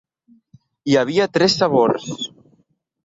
Hi havia tres sabors.